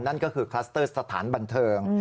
นั่นก็คือคลัสเตอร์สถานบันเทิง